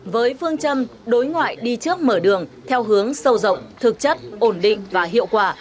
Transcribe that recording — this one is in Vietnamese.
với phương châm đối ngoại đi trước mở đường theo hướng sâu rộng thực chất ổn định và hiệu quả